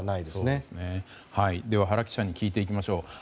では原記者に聞いていきましょう。